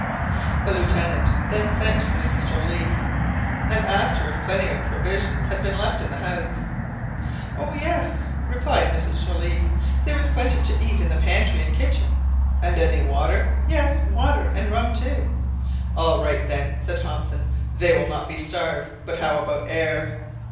The Lieutenant then sent for Mrs Joliffe, and asked her if plenty of provisions had been left in the house. "Oh, yes," replied Mrs Joliffe, "there was plenty to eat in the pantry and kitchen." "And any water?" "Yes, water and rum too." "All right, then," said Hobson, "they will not be starved—but how about air?"